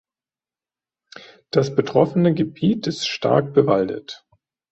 Das betroffene Gebiet ist stark bewaldet.